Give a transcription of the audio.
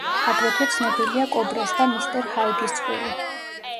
აგრეთვე ცნობილია კობრას და მისტერ ჰაიდის წყვილი.